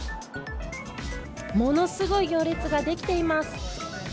ものすごい行列ができています。